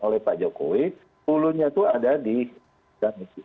oleh pak jokowi puluhnya itu ada di dprk